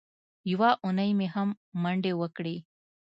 یوه اونۍ مې هم منډې وکړې.